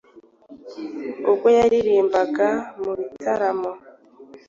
ubwo yaririmbaga mu bitaramo,